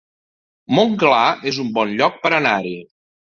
Montclar es un bon lloc per anar-hi